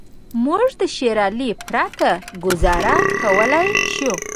موږ له شېر علي پرته ګوزاره کولای شو.